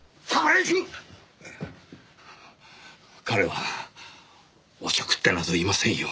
彼はおちょくってなどいませんよ。